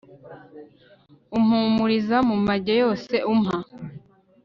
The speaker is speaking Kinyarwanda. umpumuriza mu mage yose, umpa